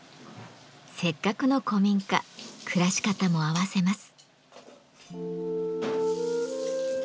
せっかくの古民家暮らし方も合わせます。